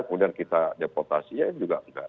kemudian kita deportasinya juga enggak